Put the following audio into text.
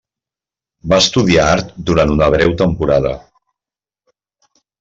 Va estudiar art durant una breu temporada.